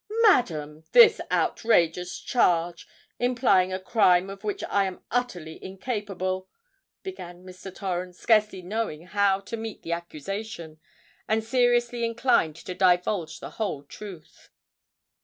"Madam—this outrageous charge—implying a crime of which I am utterly incapable——" began Mr. Torrens, scarcely knowing how to meet the accusation, and seriously inclined to divulge the whole truth.